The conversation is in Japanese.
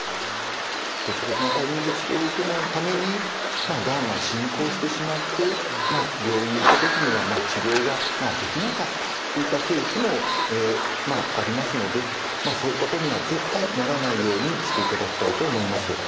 適切なタイミングで治療を受けないためにがんが進行してしまって病院に行った時には治療ができなかったといったケースもありますのでそういうことには絶対ならないようにしていただきたいと思います。